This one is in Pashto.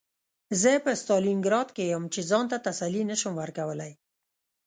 زه په ستالینګراډ کې یم چې ځان ته تسلي نشم ورکولی